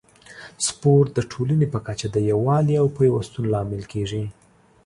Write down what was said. سپورت د ټولنې په کچه د یووالي او پیوستون لامل کیږي.